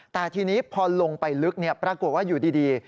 แต่ทีนี้พอลงไปลึกปรากฏว่าอยู่ดี